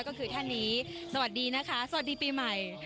ก็คือท่านนี้สวัสดีนะคะสวัสดีปีใหม่